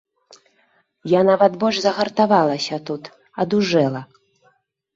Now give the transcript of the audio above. Я нават больш загартавалася тут, адужэла.